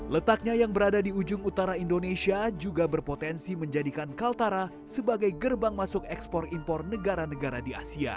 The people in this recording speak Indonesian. letaknya yang berada di ujung utara indonesia juga berpotensi menjadikan kaltara sebagai gerbang masuk ekspor impor negara negara di asia